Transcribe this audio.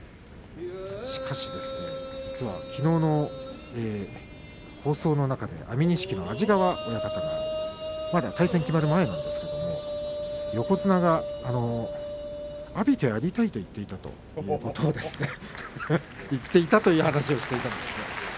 しかし実はきのうの放送の中で安美錦の安治川親方がまだ対戦が決まる前なんですが横綱が阿炎とやりたいと言っていたと話していました。